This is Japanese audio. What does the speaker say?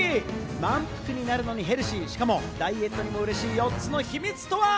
満腹になるのにヘルシー、しかもダイエットにも嬉しい４つの秘密とは？